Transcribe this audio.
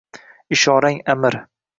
ishorang amr